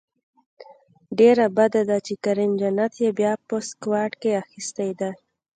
ډیره بده ده چې کریم جنت یې بیا په سکواډ کې اخیستی دی